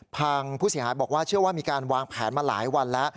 ทางผู้เสียหายบอกว่าเชื่อว่ามีการวางแผนมาหลายวันแล้ว